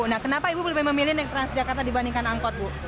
nah kenapa ibu lebih memilih naik transjakarta dibandingkan angkot bu